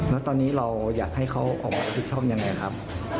แล้วตอนนี้เราอยากให้เขาออกมารับผิดชอบยังไงครับ